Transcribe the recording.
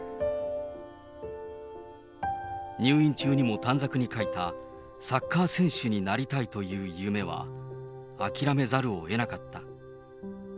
入院中にも短冊に書いた、サッカー選手になりたいという夢は、諦めざるをえなかった。